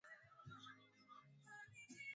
pwani Mabonde ya mito ya ndani ni